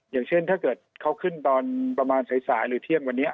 อย่างเช่นถ้าเกิดเขาขึ้นตอนประมาณสายหรือเที่ยงวันนี้